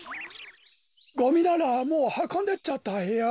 ゴミならもうはこんでっちゃったよ。